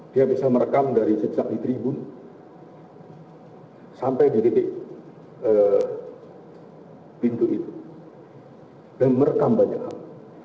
dia bisa merekam dari sejak di tribun sampai di titik pintu itu dan merekam banyak hal